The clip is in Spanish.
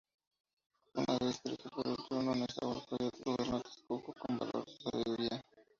Una vez que recuperó el trono, Nezahualcóyotl gobernó Texcoco con valor y sabiduría.